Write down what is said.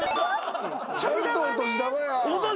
ちゃんとお年玉やん。